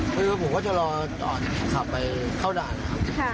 คือผมก็จะรอก่อนขับไปเข้าด่านนะครับ